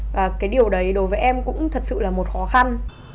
và cái điều đấy đối với em cũng thật sự là một khó khăn